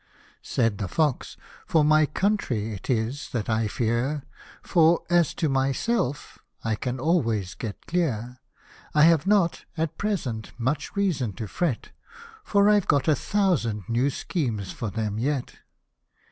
85 Said the fox, " For my country, it is that I fear, For, as to myself, I can always get clear ; I have not, at present, much reason to fret, For I've got a thousand new schemes for them yet."